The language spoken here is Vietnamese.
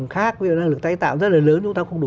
khác năng lực tái tạo rất là lớn chúng ta không đủ